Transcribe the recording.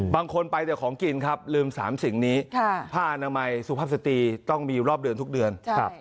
บางคนไปแต่ของกินครับลืม๓สิ่งนี้ผ้าอนามัยสุภาพสตรีต้องมีรอบเดือนทุกเดือน